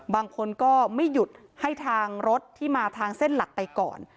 บางคนก็ไม่หยุดให้ทางรถที่มาทางเส้นหลักไปก่อน